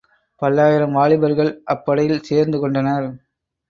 பல்லாயிரம் வாலிபர்கள் அப்படையில் சேர்ந்து கொண்டனர்.